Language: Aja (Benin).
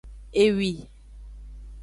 Ewi.